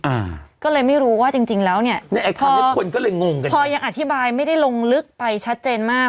อ่าก็เลยไม่รู้ว่าจริงจริงแล้วเนี้ยในไอความเนี้ยคนก็เลยงงกันพอยังอธิบายไม่ได้ลงลึกไปชัดเจนมาก